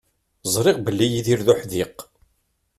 Ẓriɣ belli Yidir d uḥdiq.